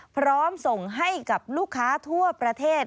พร้อมส่งให้กับลูกค้าทั่วประเทศ